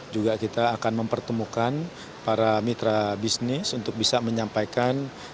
juga kita akan mempertemukan para mitra bisnis untuk bisa menyampaikan